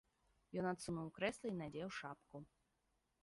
Ён адсунуў крэсла і надзеў шапку.